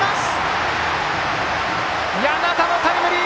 簗田のタイムリー！